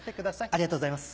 ありがとうございます。